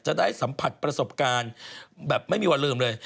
จะได้สัมผัสประสบการณ์แบบไม่มีวันลืมเลย